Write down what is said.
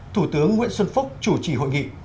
thủ tướng nguyễn xuân phúc chủ trì hội nghị